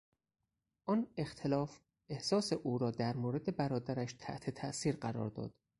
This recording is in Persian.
آن اختلاف احساس او را در مورد برادرش تحت تاثیر قرار داد.